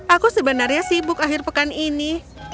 aku sebenarnya sibuk akhir pekan ini